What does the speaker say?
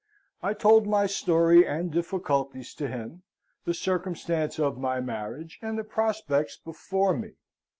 I told my story and difficulties to him, the circumstance of my marriage, and the prospects before me.